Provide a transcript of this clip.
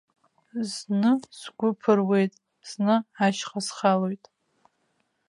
Зны сгәы ԥыруеит, зны ашьха схалоит.